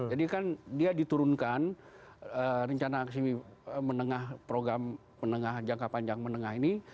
jadi kan dia diturunkan rencana ke sini menengah program menengah jangka panjang menengah ini